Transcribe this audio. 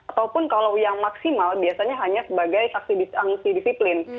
ataupun kalau yang maksimal biasanya hanya sebagai saksi disiplin